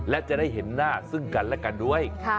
และจะได้เห็นหน้าซึ่งกันและกันด้วย